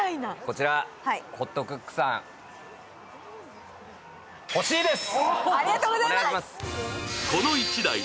こちら、ホットクックさん、欲しいです！